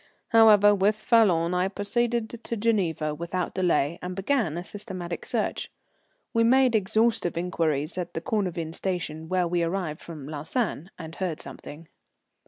However, with Falloon I proceeded to Geneva without delay, and began a systematic search. We made exhaustive inquiries at the Cornavin station, where we arrived from Lausanne, and heard something.